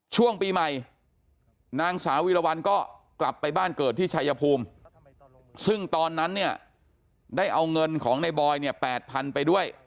ช่วงปีใหม่นางสาววีรวรรณก็กลับไปบ้านเกิดที่ชายภูมิซึ่งตอนนั้นเนี่ยได้เอาเงินของในบอยเนี่ย๘๐๐๐ไปด้วย